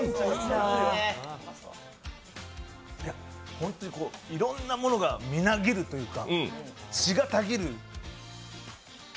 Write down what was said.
本当にいろんなものがみなぎるというか。